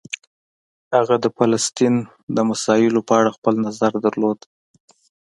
هغه د فلسطین د مسایلو په اړه خپل نظر درلود.